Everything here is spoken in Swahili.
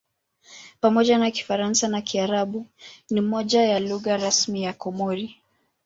Pamoja na Kifaransa na Kiarabu ni moja ya lugha rasmi ya Komori.